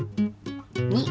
２。